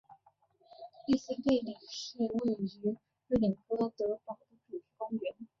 利瑟贝里是位于瑞典哥德堡的主题公园。